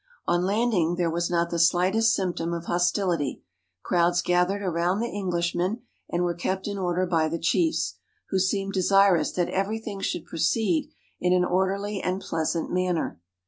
On land ing there was not the slightest symptom of hostility; crowds gathered around the Englishmen, and were kept in order by the chiefs, who seemed desirous that everything should proceed in an orderly and pleasant manner.